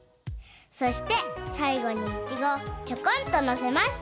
そしてさいごにイチゴをちょこんとのせます。